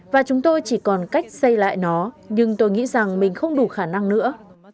và chúng tôi chỉ còn cách xây lại nó nhưng tôi nghĩ rằng mình không đủ khả năng nữa